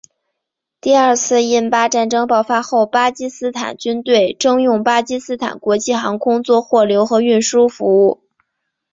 第二次印巴战争爆发后巴基斯坦军队征用巴基斯坦国际航空做货流和运输服务。